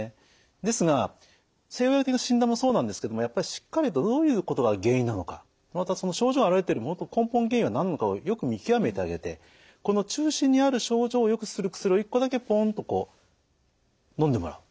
ですが西洋医学的な診断もそうなんですけどもやっぱりしっかりとどういうことが原因なのかまたその症状が現れているもと根本原因は何なのかをよく見極めてあげてこの中心にある症状をよくする薬を一個だけぽんっとこうのんでもらう。